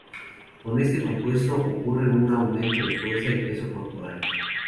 Con este compuesto ocurre un aumento de fuerza y peso corporal.